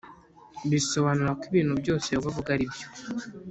Bisobanura ko ibintu byose Yehova avuga aribyo